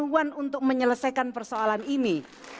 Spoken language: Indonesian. keluhan untuk menyelesaikan persoalan ini